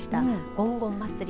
ごんごん祭り